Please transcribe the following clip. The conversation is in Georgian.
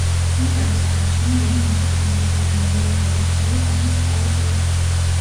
სიმღერას გააჩნია ორი მუსიკალური ვიდეო, რომელთა რეჟისორიც არის სპაიკ ლი.